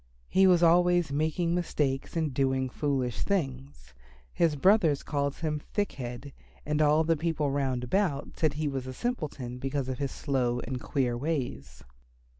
He was always making mistakes and doing foolish things. His brothers called him Thick head, and all the people round about said he was a simpleton because of his slow and queer ways.